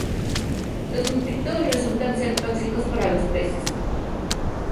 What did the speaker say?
Los nitritos resultan ser tóxicos para los peces.